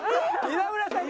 稲村さん